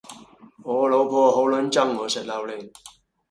我老婆好撚憎我食榴槤